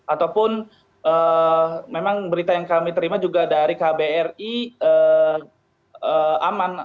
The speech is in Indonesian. ataupun memang berita yang kami terima juga dari kbri aman